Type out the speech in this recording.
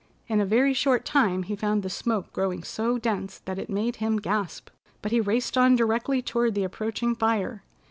In a very short time he found the smoke growing so dense that it made him gasp. But he raced on directly toward the approaching fire.